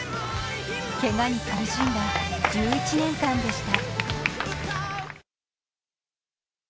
けがに苦しんだ１１年間でした。